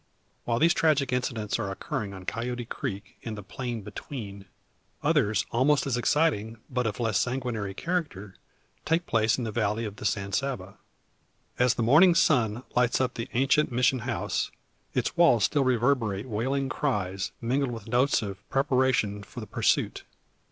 While these tragic incidents are occurring on Coyote Creek and the plain between, others almost as exciting but of less sanguinary character, take place in the valley of the San Saba. As the morning sun lights up the ancient Mission house, its walls still reverberate wailing cries, mingled with notes of preparation for the pursuit.